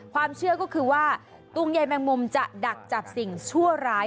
ความเชื่อก็คือว่าตุงใยแมงมุมจะดักจับสิ่งชั่วร้าย